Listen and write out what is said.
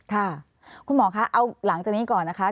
ค่ะคุณหมอคะเอาหลังจากนี้ก่อนนะคะ